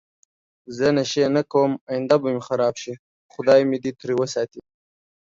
زه نشی نه کوم اینده به می خرابه شی خدای می دی تری وساتی